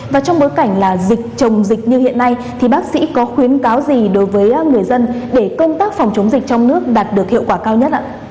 và trong bối cảnh là dịch chồng dịch như hiện nay thì bác sĩ có khuyến cáo gì đối với người dân để công tác phòng chống dịch trong nước đạt được hiệu quả cao nhất ạ